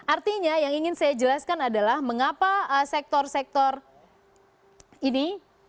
artinya yang ingin saya jelaskan adalah mengapa sektor sektor ini